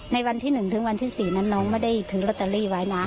ในวันที่๑ถึงวันที่๔นั้นน้องไม่ได้ถือลอตเตอรี่ไว้นะ